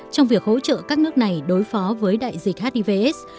trong việc hỗ trợ các nước này đối phó với đại dịch hiv aids